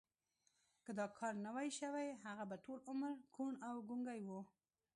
که دا کار نه وای شوی هغه به ټول عمر کوڼ او ګونګی و